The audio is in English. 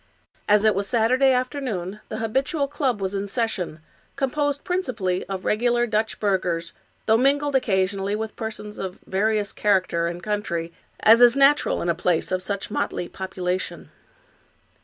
As it was Saturday afternoon the habitual club was in session, composed principally of regular Dutch burghers, though mingled occasionally with persons of various character and country, as is natural in a place of such motley population.